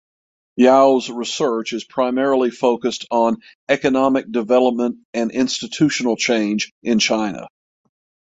Yao’s research is primarily focused on economic development and institutional change in China.